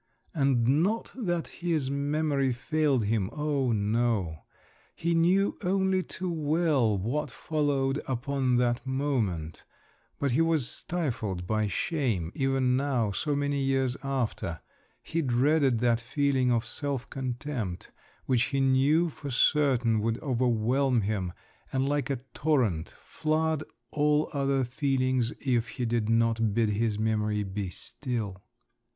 And not that his memory failed him, oh no! he knew only too well what followed upon that moment, but he was stifled by shame, even now, so many years after; he dreaded that feeling of self contempt, which he knew for certain would overwhelm him, and like a torrent, flood all other feelings if he did not bid his memory be still.